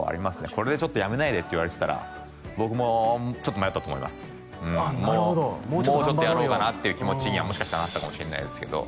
これでちょっとやめないでって言われてたら僕もちょっと迷ったと思いますああなるほどもうちょっとやろうかなっていう気持ちにはもしかしたらなったかもしれないですけど